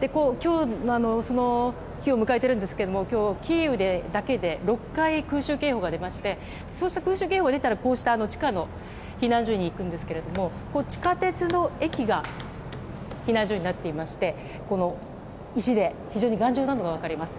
今日、その日を迎えているんですけども今日キーウだけで６回空襲警報が出ましてそうした空襲警報が出たら地下の避難所に行くんですけど地下鉄の駅が避難所になっていまして石で非常に頑丈なのが分かります。